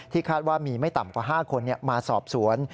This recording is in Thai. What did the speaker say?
คาดว่ามีไม่ต่ำกว่า๕คนมาสอบสวน